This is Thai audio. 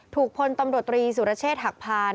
พลตำรวจตรีสุรเชษฐ์หักพาน